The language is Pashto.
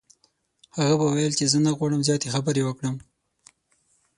هغه به ویل چې زه نه غواړم زیاتې خبرې وکړم.